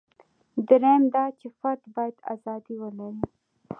درېیم دا چې فرد باید ازادي ولري.